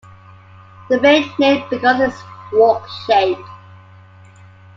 The bay named because its "wok" shape.